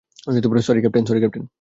Sorry, captain.